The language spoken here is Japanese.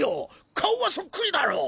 顔はそっくりだろ！？